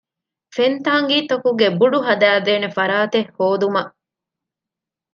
ފެންތާނގީތަކުގެ ބުޑު ހަދައިދޭނެ ފަރާތެއް ހޯދުމަށް